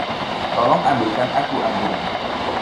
Tolong ambilkan aku anggurnya.